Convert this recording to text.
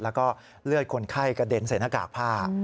แล้วก็เลือดคนไข้กระเด็นใส่หน้ากากผ้า